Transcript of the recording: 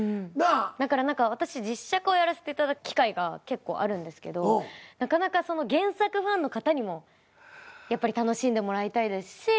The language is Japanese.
だから私実写化をやらせていただく機会が結構あるんですけど原作ファンの方にも楽しんでもらいたいですし。